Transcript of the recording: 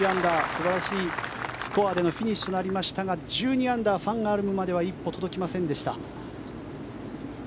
素晴らしいスコアでのフィニッシュとなりましたが１２アンダーファン・アルムまでは一歩届きませんでした。